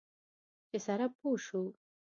چې سره پوه شو.